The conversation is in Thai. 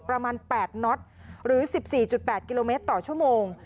ประมาณ๘น็อตหรือ๑๔๘กิโลเมตรต่อชั่วโมง